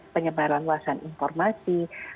penyebaran luasan informasi